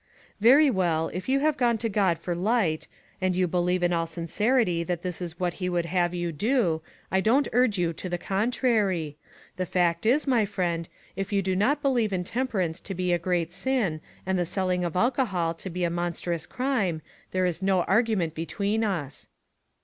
"Very well, if you have gone to God for light, and you believe in all sincerity that this is what he would have you do, I don't urge you to the contrary. The fact is, my friend, if you do not believe intemperance to be a giant sin, and the selling of alcohol to be a monstrous crime, there is no argu ment between us."